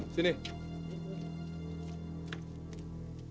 aku sudah selesai